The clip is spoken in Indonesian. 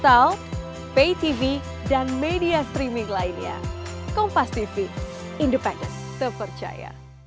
dapat segera boleh kembali lah